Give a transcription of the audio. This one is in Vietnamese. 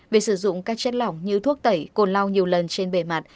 việc sử dụng các chất lỏng như thuốc tẩy cồn lau nhiều lần trên bề mặt